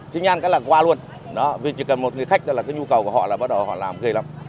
sinh nhan cái là qua luôn vì chỉ cần một người khách đó là cái nhu cầu của họ là bắt đầu họ làm ghê lắm